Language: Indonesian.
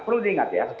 perlu diingat ya